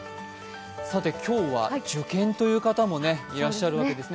今日は受験という方もいらっしゃるわけですね。